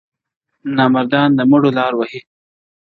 نامردان د مړو لاري وهي.